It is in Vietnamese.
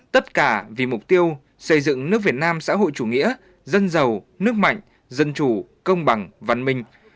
tất cả vì mục tiêu xây dựng nước việt nam xã hội chủ nghĩa dân giàu nước mạnh dân chủ công bằng văn minh